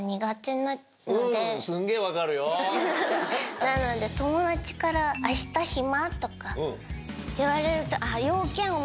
なので友達から。とか言われると。